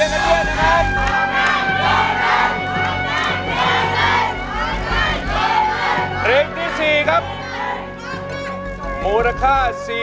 ร้องให้ร้องให้